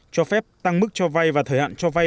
cho phép tăng mức cho vai và thời hạn cho vai